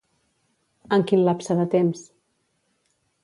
En quin lapse de temps?